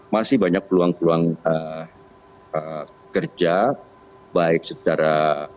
masih banyak peluang peluang kerja baik secara